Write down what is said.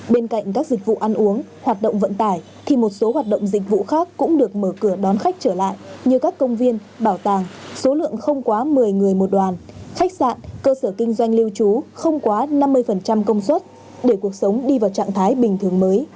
bên cạnh các dịch vụ ăn uống hoạt động vận tải thì một số hoạt động dịch vụ khác cũng được mở cửa đón khách trở lại như các công viên bảo tàng số lượng không quá một mươi người một đoàn khách sạn cơ sở kinh doanh lưu trú không quá năm mươi công suất để cuộc sống đi vào trạng thái bình thường mới